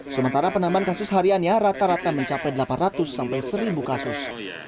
sementara penambahan kasus hariannya rata rata mencapai delapan ratus sampai seribu kasus